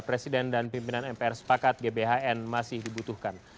presiden dan pimpinan mpr sepakat gbhn masih dibutuhkan